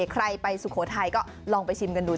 ใครไปสุโขทัยก็ลองไปชิมกันดูสิ